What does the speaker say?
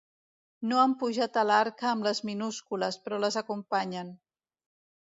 No han pujat a l'Arca amb les minúscules, però les acompanyen.